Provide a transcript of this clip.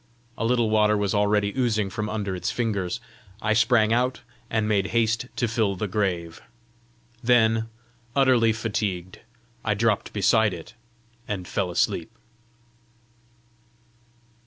A little water was already oozing from under its fingers. I sprang out, and made haste to fill the grave. Then, utterly fatigued, I dropped beside it, and fell asleep.